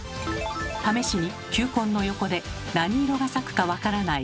試しに球根の横で何色が咲くか分からない